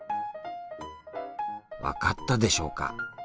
分かったでしょうか？